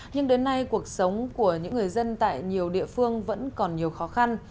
nhưng đến nay cuộc sống của những người dân tại nhiều địa phương vẫn còn nhiều khó khăn